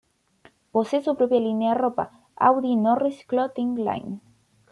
Posee su propia línea de ropa, Audie Norris Clothing Line.